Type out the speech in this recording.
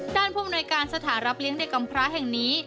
ด้านผู้บริการสถานรับเลี้ยงเด็กกำพระแห่งนี้